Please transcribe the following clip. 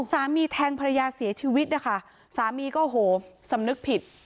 สามีแทงภรรยาเสียชีวิตนะคะสามีก็โหสำนึกผิด